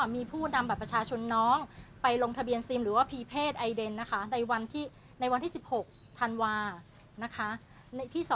มีข้อมูลว่าน้องเคยโทรหาตัวของส่องต้องหาเนี่ย